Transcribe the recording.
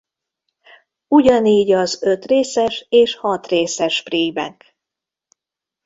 Ugyanígy az ötrészes és hatrészes prímek.